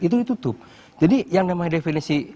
itu ditutup jadi yang namanya definisi